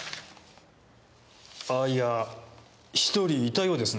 あいや１人いたようですね。